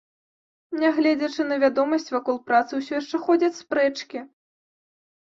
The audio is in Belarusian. Нягледзячы на вядомасць, вакол працы ўсё яшчэ ходзяць спрэчкі.